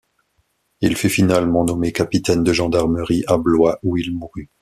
Il fut finalement nommé capitaine de gendarmerie à Blois où il mourut.